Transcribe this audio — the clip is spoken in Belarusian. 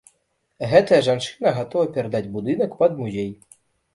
Гэтая жанчына гатова перадаць будынак пад музей.